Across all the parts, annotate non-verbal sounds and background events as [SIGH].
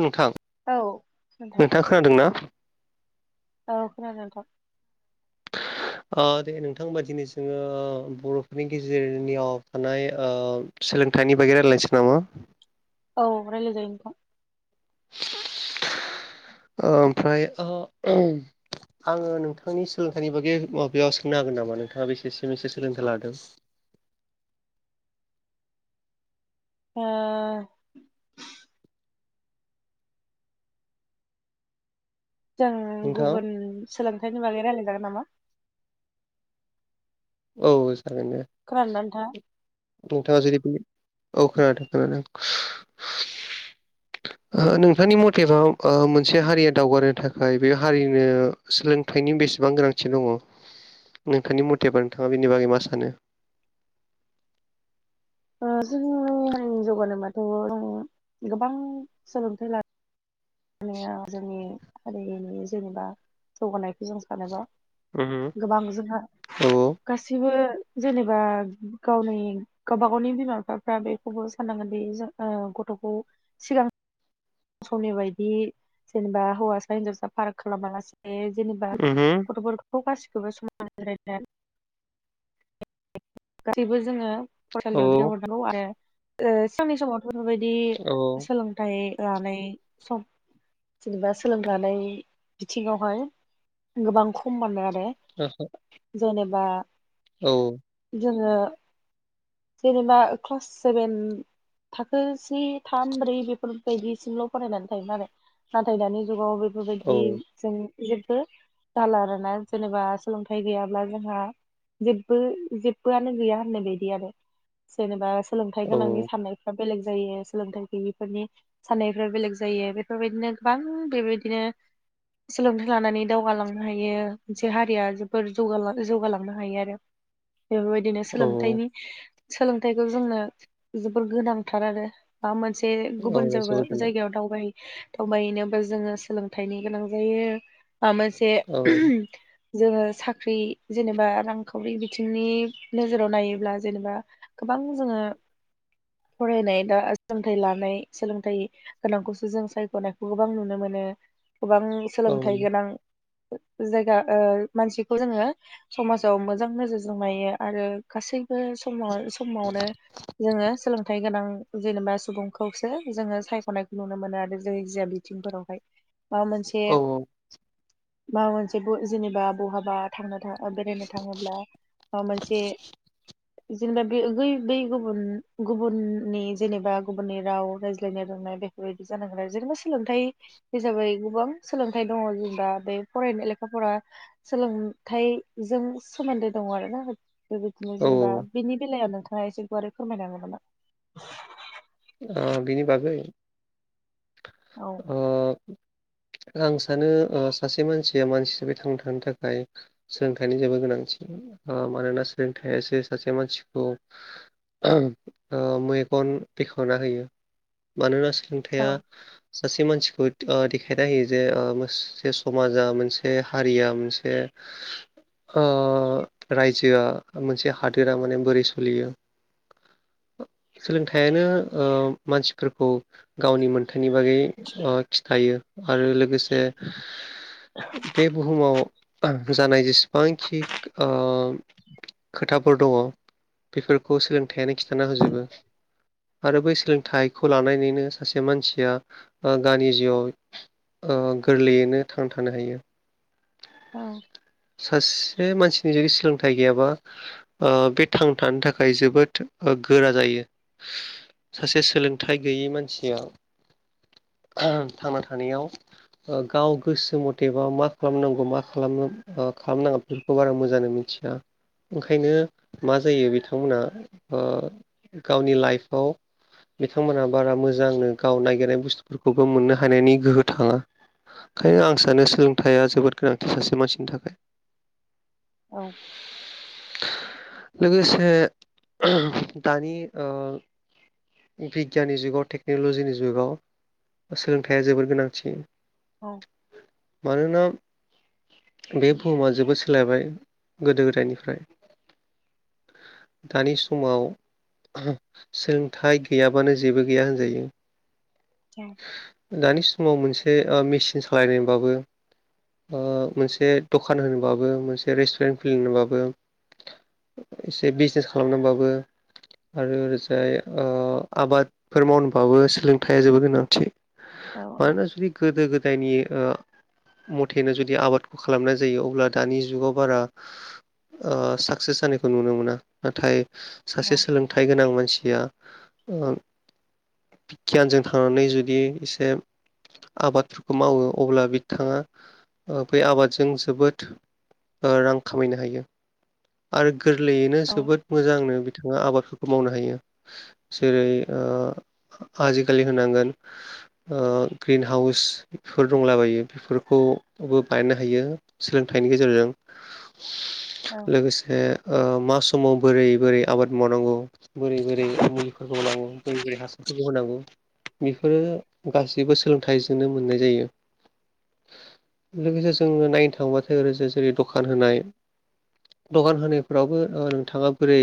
नोंथां औ नोंथां नोंथाङा खोनादों ना? औ खोनादों नोंथां। ओ दे नोंथां होमबा दिनै जोङो बर'फोरनि गेजेरनियाव थानाय ओ सोलोंथाइनि बागै रायलायनोसै नामा? औ रायलायजायो नोंथां। [INAUDIBLE] ओमफ्राय ओ आङो नोंथांनि सोलोंथाइनि बागै माबायाव सोंनो हागोन नामा नोंथाङा बेसेसो बेसे सोलोंथाइ लादों। ओ जों नोंथाङा गुबुन सोलोंथाइनि बागै रायलायजागोन नामा? औ जागोन दे। खोनादोना नोंथाङा? नोंथाङा जेरै बिनि औ खोनादों खोनादों। [INAUDIBLE] नोंथांनि मथेबा ओ मोनसे हारिया दावगानो थाखाय बे हारिनो सोलोंथाइनि बेसेबां गोनांथि दङ नोंथांनि मथेबा नोंथाङा बेनि बागै मा सानो? ओ जोंनि हारिनि जौगानाय बाथ' जों गोबां सोलोंथाइ ला मानिआ जोंनि हारिनि जेनेबा जौगानायखौ जों सानोबा उम गोबां जोंहा औ औ गासैबो जेनेबा गावनि गावबा गावनि बिमा बिफाफ्रा बेखौबो साननांगोनदि जों गथ'खौ सिगां समनि बायदि जेनेबा हौवासा हिन्जावसा फाराग खालामालासि बे जेनेबा उम गथ'फोरखौ गासिखौबो समान [UNINTELLIGIBLE] गासैबो जोङो फरायसालियाव औ दैहरनांगौ आरो ओ सिगांनि समाव बेफोरबायदि औ सोलोंथाइ लानाय सम जेनेबा सोलोंथाइ लानाय बिथिङावहाय गोबां खम मोनो आरो। [UNINTELLIGIBLE] जेनेबा औ। जोङो जेनेबा क्लास सेभेन थाखो से थाम ब्रै बेफोरबायदिसिमल' फरायनानै थायोमोन आरो। नाथाय दानि जुगाव औ बेफोरबायदि जों जेबबो जाला आरो ना जेनेबा सोलोंथाइ गैयाब्ला जोंहा जेबबो जेबोआनो गैया होननाय बायदि आरो जेनेबा सोलोंथाइ गोनांनि औ साननाय फ्रा बेलेग जायो सोलोंथाइ गैयैफोरनि साननायफ्रा बेलेग जायो बेफोरबायदिनो गोबां बेबायदिनो सोलोंथाइ लानानै दावगालांनो हायो मोनसे हारिया जोबोर जौगा जौगालांनो हायो आरो। बेफोरबायदिनो औ सोलोंथाइनि सोलोंथाइखौ जोंनो जोबोर गोनांथार आरो। बा मोनसे गुबुन जोबोद गोनां जावगा-जायगायाव दावबायहै दावबायनोबो जोङो सोलोंथाइनि गोनां जायो माबा मोनसे औ जोङो साख्रि जेनेबा रांखावरि बिथिंनि नोजोराव नायोब्ला जेनेबा गोबां जोङो फरायनाय दा सोलोंथाइ लानाय सोलोंथाइ गोनांखौसो जों सायख'नायखौ गोबां नुनो मोनो गोबां औ सोलोंथाइ गोनां जायगा ओ मानसिखौ जोङो समाजाव मोजां नोजोरजों नायो आरो गासैबो समाव-समावनो जोङो सोलोंथाइ गोनां जेनेबा सुबुंखौसो जोङो सायख'नायखौ नुनो मोनो आरो जाय जा बिथिंफोरावहाय माबा मोनसे औ माबा मोनसे जेनेबा बहाबा थांनो बेरायनो थाङोब्ला जे जेनेबा बे बेै-बै गुबुन-गुबुननि जेनेबा गुबुननि राव रायज्लायनाय रोंनाय बे बेबायदि जानांगोन आरो जेनेबा सोलोंथाइ हिसाबै गोबां सोलोंथाइ दङ जों दा बे फरायनाय लेखाफोरा सोलोंथाइजों सोमोन्दो दङ आरो ना बेबायदिनो औ जेनेबा ओ बेनि बेलायाव नोंथाङा एसे गुवारै फोरमायनो हागोन नामा ओ बिनि बागै औ ओ आं सानो ओ सासे मानसिया मानसि हिसाबै थांना थानो थाखाय सोलोंथाइनि जेबोद गोनांथि मानोना सोलोंथाइासो सासे मानसिखौ ओं ओ मैगन बेख'वना होयो मानोना सोलों औ थाया सासे मानसिखौ खेना होयो जे मोनसे समाजा मोनसे हारिया मोनसे ओ रायजोआ मोनसे हादोरा माने बोरै सोलियो सोलोंथाइयानो ओ मानसिफोरखौ गावनि मोन हाथाइनि बागै खिथायो आरो लोगोसे जे बे बुहुमाव जानाय जेसे पान्खि ओ खोथाफोर दङ बेफोरखौ सोलोंथाइयानो खिन्थाना होजोबो। आरो बै सोलोंथाइखौ लानानैनो सासे मानसिया ओ गावनि जिउआव ओ गोरलैयैनो थांना थानो हायो। औ सासे मानसिनि जुदि सोलोंथाइ गैयाबा ओ बे थांनाथानो थाखाय जोबोद गोरा जायो। सासे सोलोंथाइ गैयि मानसिया थांना थानायाव ओ गाव गोसो मथे बा मा खालामनांगौ मा खालामनो खालाम नाङा बेफोरखौ बारा मोजाङै मिथिया ओंखायनो मा जायो बिथांमोना ओ गावनि लाइफआव बिथांमोनहा बारा मोजांनो गाव ननायागिरनाय बुस्थुफोरखौबो मोननो हानायनि गोहो थाङा ओंखायनो आं सानो सोलोंथायाइया जोबोद गोनांथि सासे मानसिनि थाखाय औ लोगोसे दानि बिगियाननि जुगाव टेक्न'ल'जिनि जुगाव सोलोंथाइया जोबोर गोनांथि औ मानोना बे बुहुमा जोबोद सोलायबाय गोदो गोदायनिफ्राय दानि समाव सोलोंथाइ गैयाबानो जेबो गैया होनजायो आ दानि समाव मोनसे ओ मेचिन सालायनायबाबो ओ मोनसे दखान होनोबाबो मोनसे रेस्टुरेन्ट खुलिनोबाबो एसे बिजनेस खालामनांबाबो आरो ओरैजाय आबादफोर मावनोबाबो सोलोंथाइया जोबोद गोनांथि औ माना सदि गदा गथ न मथेनो जुदि आबादखौ खालामनाय जायो अब्ला दानि जुगाव बारा साक्सेस जानायखौ नुनो मोना नाथाय सासे सोलोंथ थाय गोनां मानसिया बिगियानजों थांनानै जुदि एसे आबादफोरखौ मावो अब्ला थाङा बै आबादजों जोबोद रां खामायनो हायो। आरो गोरलैयैनो औ जोबोद मोजांनो बिथाङा आबादफोरखौ मावनो हायो। जेरै आजिखालि होनांगोन ओ ग्रिन हाउसफोर दंलाबायो। बेफोरखौबो बानायनो हायो सोलोंथाइनि गेजेरजों औ लोगोसे मा समाव बोरै बोरै आबाद मावनांगौ बोरै बोरै मुलिफोरखौ होनांगौ बोरै बोरै हासारफोरखौ होनांगौ बेफोरो गासैबो सोलोंथाइजोंनो मोननाय जायो। लोगोसे जोंनो नायनो थांबथाय ओै जेरै दखान होनाय दखान होनायफोरावबो ओ नोंथाङा बोरै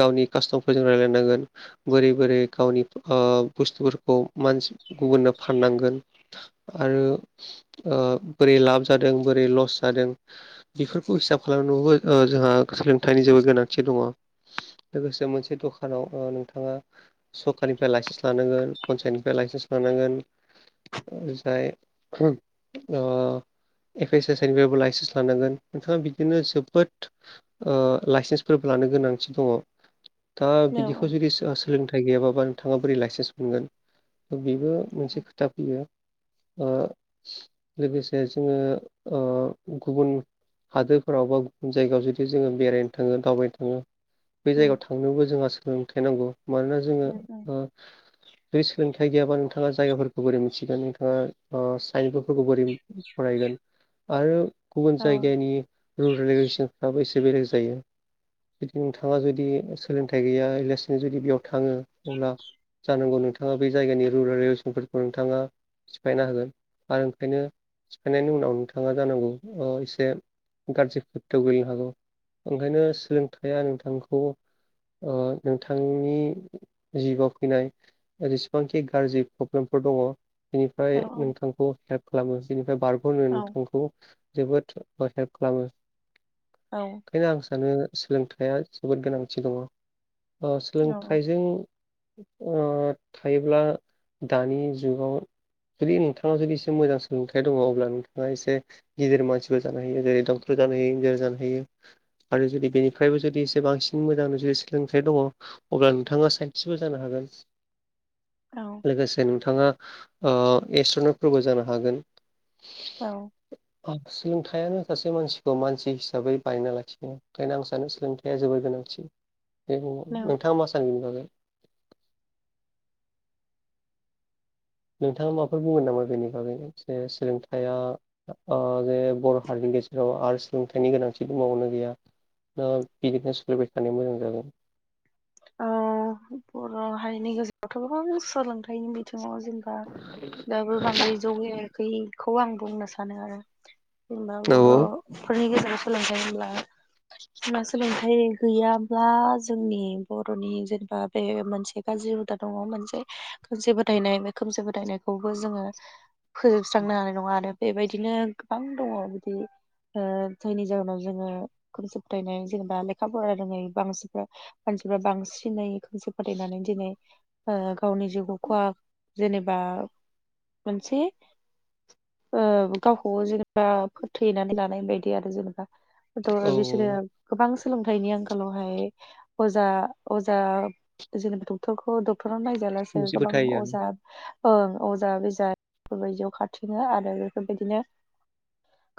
गावनि कास्टमफोरजों रायजलायनांगोन बोरै बोरै गावनि ओ बुस्थुफोरखौ मानसि गुबुननो फाननांगोन आरो ओ बोरै लाब जादों बोरै लस जादों बेफोरखौ हिसाब खालामनोबो जोंहा सोलोंथाइनि जेबो गोनांथि दङ। लोगोसे मोनसे दखानाव ओ नोंथाङा सरकारनिफ्राय लाइसेन्स लानांगोन पन्सायतनिफ्राय लाइसेन्स लानांगोन जाय ओ एफइ एस एस निफ्रायबो लाइसेन्स लानांगोन नोंथाङा बिदिनो जोबोद ओ लाइसेन्सफोरबो लानो गोनांथि दङ। दा उम बिदिखौ जुदि सोलोंथ इ गैयाबाबा नोंथाङा बोरै लाइसेन्स मोनगोन थ' बेबो मोनसे खोथा फैयो। ओ लोगोसे जोङो गुबुन ओ गुबुन हादोरफोराव बा गुबुन जायगायाव जुदि जोङो बेरायनो थाङो दावबायनो थाङो बे जायगायाव थांनोबो जोंहा सोलोंथाइ नांगौ । मानोना जोङो उम ओ जुदि सोलोंथाइ गैयाबा नोंथाङा जायगाफोरखौ बोरै मिथिगोन नोंथाङा ओ साइन्स ब फोरखौ बोरै फरायगोन आरो गुबुन औ जायगानि रुल रेगुलेसनफ्राबो एसे बेलेग जायो। जुदि नोंथाङा जुदि सोलोंथाइ गैया एलासैनो जुदि बेयाव थाङो अब्ला जानांगौ नोंथाङा बे जायगानि रुरेल रेसनफोरखौ नोंथाङा सिफायना होगोन। आरो ओंखायनो सिफायनायनि उनाव नोंथाङा जानांगौ एसे गाज्रि खोथायाव गोलैनो हागौ। ओंखायनो सोलोंथाइया नोंथांखौ ओ नोंथांनि जिबआव फैनाय जसेबांखि गाज्रि प्रब्लेमफोर दङ। औ बेनिफ्राय नोंथांखौ हेल्प खालामो बेनिफ्राय बारग'नो औ नोंथांखौ जोबोद हेल्प खालामो। औ ओंखायनो आं सानो सोलोंथाइया जोबोद गोनांथि दङ। ओ सोलोंथाइजों ओ थायोब्ला दानि जुगाव जुदि नोंथां नोंथांनाव जुदि एसे मोजां सोलोंथाइ दङ अब्ला नोंथाङा एसे गिदिर मानसिबो जानो हायो जेरै डक्टर जानो हायो इजिनियार जानो हायो। आरो जुदि बेनिफ्रायबो जुदि एसे बांसिन मोजां जुदि सोलोंथाइ दङ अब्ला नोंथाङा सानस्रिबो जानो हागोन औ लोगोसे नोंथाङा एस्ट्र'नटफोरबो जानो हागोन औ सोलोंथाइयानो सासे मानसिखौ मानसि हिसाबै बानायना लाखिनाय ओंखायनो आं सानो सोलोंथाइ हाया जोबोर गोनांथि [UNINTELLIGIBLE] औ नोंथाङा माासानगनि बागै? नोंथाङा माफोर बुंगोन नामा बेनि बागै जे सोलोंथाइया जे बर' हारिनि गेजेराव आरो सोलोंथाइनि गोनांथिबो मावनो गैया दा बिदिनो सोलिबाय थानायानोा मोजां जागोन औ बर' हारिनि गेजेरावथ' गोबां सोलोंथाइनि बि बिथिङाव जेनेबा दाबो बांद्राय जौगायाखैखौ आं बुंनो सानो आरो जेनेबा औ बर'फोरनि गेजेराव सोलोंथाइ होनब्ला जबा सोलोंथायाइ गैयाब्ला जोंनि बर'नि जेनेबा बे मोनसे गाज्रि हुदा दङ मोनसे गाज्रि बदायनाय खोमसि फोथायनायखौबो जोङो फोजोबस्रांनो हानाय नङा आरो बेबायदिनो गोबां दङ बिदि जायनि जाहोनाव जोङो खनसि फोथायनाय जेनेबा लेखा फराया रोङै बांसिनफ्रा मानसिफ्रा बांसिनै खोमसे फोथायनानै दिनै गावनि जिउ खहा जेनेबा मोनसे गावखौ जेनेबा फोथैनानै लानाय बायदि आरो जेनेबा औ ' बिसोरो गोबां सोलोंथाइनि आंखालावहाय अजा अजा जेनेबा डक्टरखौ डक्टराव नायजालासो खोमसि गोबां फोथायो आरो अजा ओं अजा बिजा बेफोरबायदियाव खाारथिङो आरो बेफोरबायदिनो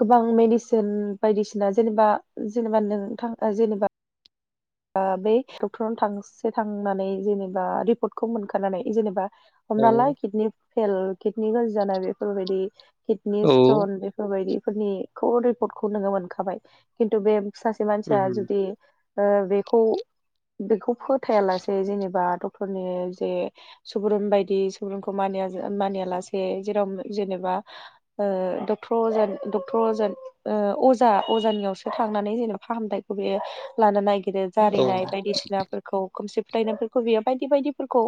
गोबां मेडिसिन बायदिसिना जेनेबा जेनेबा नों थां जेनेबा बे डक्टराव थांसे थांनानै जेनेबा रिपर्टखौ मोनखानानै जेनेबा हमनाालाय किडनि फल किडनि गाज्रि जानाय बेफोरबायदि किडनि औ स्टन बेफोरबायायदि फोरनिखौ रिपर्टखौ नोङो मोनखाबाय खिन्थु बे सासे मानसिया उम जुदि बेखौ बेखौ फोथायालासे जेनेबा डक्टरनि जे सुबुरुन बायदि सुबुरुनखौ मानिया मानियालासे जेराव जेनेबा डक्टर अज डक्टर अजन अजा अजानियावसो थांनानै जेनेबा फाहामथायखौ बे लानो नागिरो औ जारिनाय बायदिसिना फोरखौ खोमसि फरायनायफोरखौ बियो बायदि बायदिफोरखौ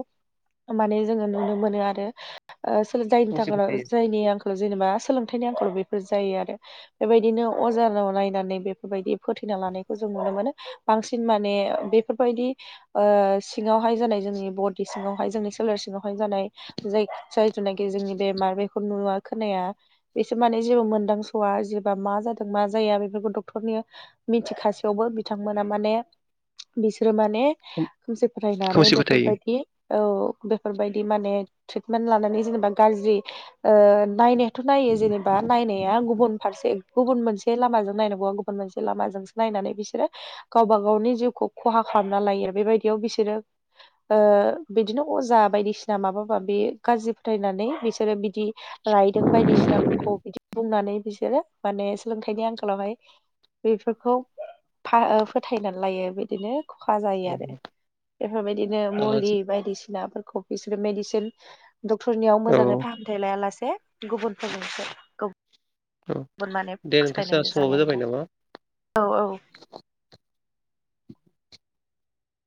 माने जोङो नुनो मोनो आरो जायनि खोमसि थाखाय फोथायो जायनि आंखाल जेनेबा सोलोंथाइनि आंखालाव बेफोर जायो आरो बेबायदिनो अजाराव नायनानै बेफोरबायदि फोथैना लानायखौ जों नुनो मोनो बांसिन माने बेफोरबायदि सिङावहाय जानाय जोंनि बरड सिङावहाय जोंनि सोलेर सिङाव जानाय जाय जायथुनाखि जोंनि बेमार बेखौ नुव खोनाया बिसोर माने जेबो मोनदांसआ जेबा मा जादों मा जाया बेफोरखौ डक्टरनि मिथिखासेयावबो बिथांमोना माने बिसोरो माने खोमसि फरायनानै खोमसि फोथायो बेफोरबायदि औ बेफोरबायदि माने ट्रिटमेन्ट लानानै जेनेबा गाज्रि ओ नायनो थ' नायो जेनेबा नायनाया गुबुन फारसे गुबुन मोनसे लामाजों नायनांगौ गुबुन मोनसे लामाजोंसो नायनानै बिसोरो गावबाव गावनि जिउखौ खहा खालामना लायो आरो बेबायदियाव बिसोरो ओ बिदिनो अजा बायदिसिना माबा माबि गाज्रि फोथायनानै बिसोरो बिदि रायदों बायदिसिनाफोरखौ बिदि बुंनानै बिसोरो माने सोलोंथाइनि आंखालावहाय बेफोरखौ फा ओ फोथायनानै लायो बिदिनो खहा जायो औ आरो बेफोरबायदिनो औ मुलि बायदिसिनाफोरखौ बिसोरो मेडिसिन डक्टरनियाव मोजाङै फाहामथाय लायालासे गुबुनफोरजोंसो औ गुबुन माने दे नोंथां जोंहाबो समावबो जाबाय नामा । औ-औ ।